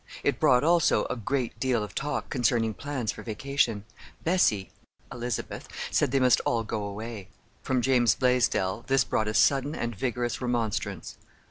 It brought, also, a great deal of talk concerning plans for vacation. Bessie—Elizabeth—said they must all go away. From James Blaisdell this brought a sudden and vigorous remonstrance.